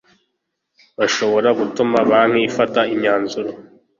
bashobora gutuma banki ifata imyanzuro